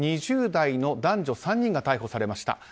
２０代の男女３人が逮捕されました。